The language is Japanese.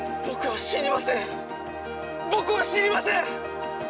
僕は死にません！